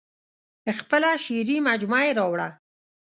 خپله شعري مجموعه یې راوړه.